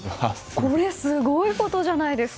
これ、すごいことじゃないですか。